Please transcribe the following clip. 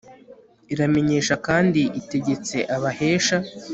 iramenyesha kandi itegetse abahesha